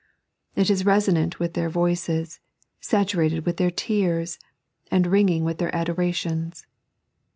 It is resonant with their voices, saturated with their tears, and ringing with their adorations.